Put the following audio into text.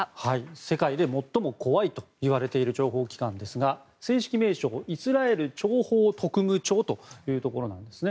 世界で最も恐いといわれている諜報機関ですが正式名称はイスラエル諜報特務庁というところなんですね。